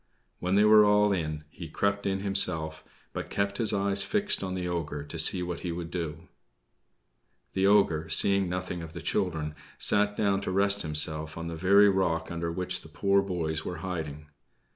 When they were all in he crept in himself, but kept his eyes fixed on the ogre, to see what he would do. The ogre, seeing nothing of the children, sat down to rest himself on the very rock under which the poor boys were hiding.